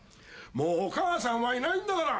もうお母さんはいないんだから！